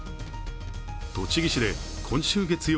栃木市で今週月曜